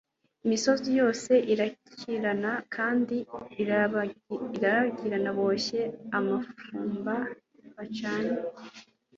imisozi yose irakirana kandi irarabagirana boshye amafumba bacanye